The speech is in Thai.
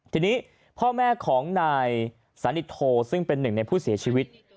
ทีนี้พ่อแม่ของนายสานิทโทซึ่งเป็นหนึ่งในผู้เสียชีวิต